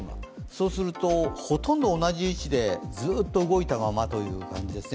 そうすると、ほとんど同じ位置でずっと動いたままという感じですね。